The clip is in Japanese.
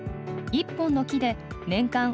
１本の木で年間